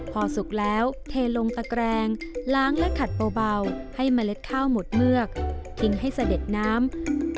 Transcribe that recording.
พอสุกแล้วเทลงตะแกรงล้างและขัดเบาให้เมล็ดข้าวหมดเมือกทิ้งให้เสด็จน้ำ